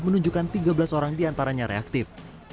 menunjukkan tiga belas orang diantaranya reaktif